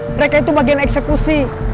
mereka itu bagian eksekusi